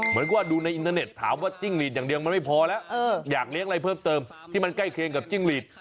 เหมือนก็ดูในอินเทอร์เน็ตถามว่าจิ้งหลีดอย่างเดียวมันไม่พอแล้วอยากเลี้ยงอะไรเพิ่มเติมที่มันใกล้เคียงกับจิ้งหลีด